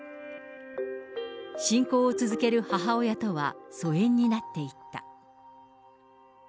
信仰を続ける母親とは疎遠になっていった。